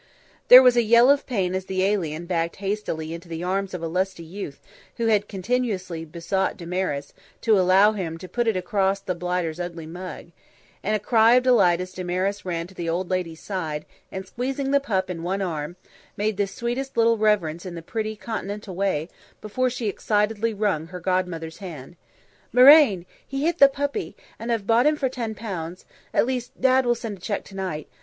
There was a yell of pain as the alien backed hastily into the arms of a lusty youth who had continuously besought Damaris, to allow him "ter put it acrorst ther blighter's h'ugly mug," and a cry of delight as Damaris ran to the old lady's side and, squeezing the pup in one arm, made the sweetest little reverence in the pretty continental way before she excitedly wrung her god mother's hand. "Marraine, he hit the puppy, and I've bought him for ten pounds; at least, Dad will send a cheque tonight.